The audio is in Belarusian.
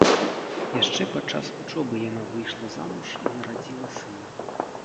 Яшчэ падчас вучобы яна выйшла замуж і нарадзіла сына.